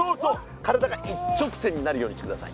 体が一直線になるようにしてください。